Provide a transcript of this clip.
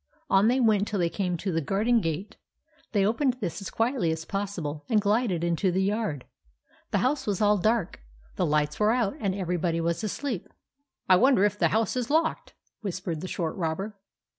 On they went till they came to the garden gate. They opened this as quietly as pos sible, and glided into the yard. The house was all dark. The lights were out and everybody was asleep. " I wonder if the house is locked," whis pered the short robber.